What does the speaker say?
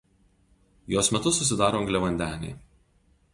Jos metu susidaro angliavandeniai.